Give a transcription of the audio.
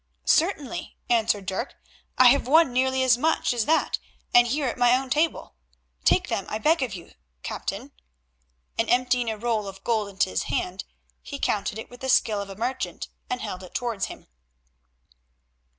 "Certainly," answered Dirk, "I have won nearly as much as that, and here at my own table. Take them, I beg of you, captain," and emptying a roll of gold into his hand, he counted it with the skill of a merchant, and held it towards him.